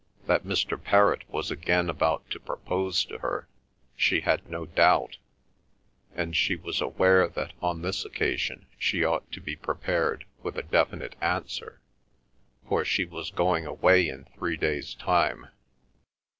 That Mr. Perrott was again about to propose to her, she had no doubt, and she was aware that on this occasion she ought to be prepared with a definite answer, for she was going away in three days' time.